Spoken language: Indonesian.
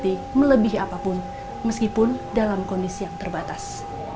memisahkan menig sny melebih apapun meskipun dalam kondisi yang terbatas